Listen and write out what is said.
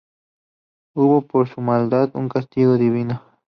Hubo por su maldad un castigo divino.